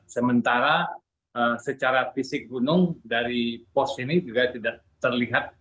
sementara secara fisik gunung dari pos ini juga tidak terlihat